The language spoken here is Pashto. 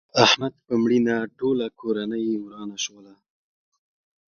د احمد په مړینه ټوله کورنۍ ورانه شوله.